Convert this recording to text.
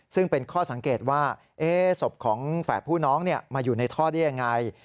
ซึ่งเป็นข้อสังเกตว่าศพของแฝดผู้น้องมาอยู่ในท่อได้ยังไง